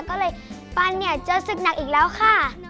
ก็เลยปันเจอสึกหนักอีกแล้วค่ะ